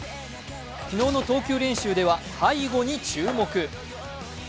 昨日の投球練習では背後に注目。